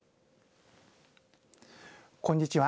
こんにちは。